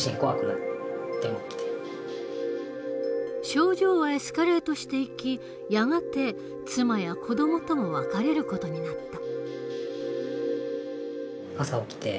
症状はエスカレートしていきやがて妻や子どもとも別れる事になった。